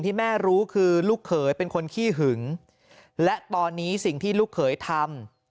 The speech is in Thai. ที่แม่รู้คือลูกเขยเป็นคนขี้หึงและตอนนี้สิ่งที่ลูกเขยทำ